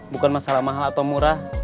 bukan masalah mahal atau murah